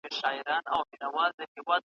جمله راټوله شوه.